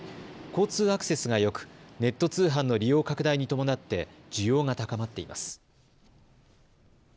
交通アクセスがよく、ネット通販の利用拡大に伴って、需要が高まっています。